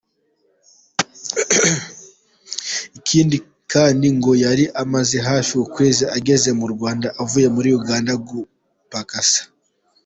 Ikindi kandi ngo yari amaze hafi ukwezi ageze mu Rwanda, avuye muri Uganda gupagasa.